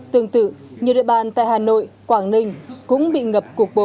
tương tự nhiều địa bàn tại hà nội quảng ninh cũng bị ngập cục bộ